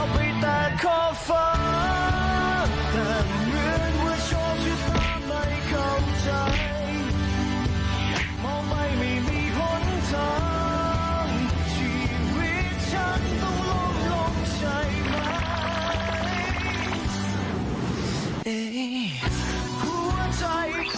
ผัวใจของเรา